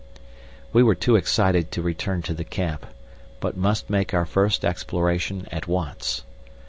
We were too excited to return to the camp, but must make our first exploration at once.